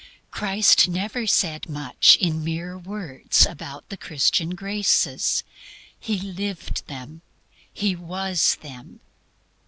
Christ never said much in mere words about the Christian graces. He lived them, He was them.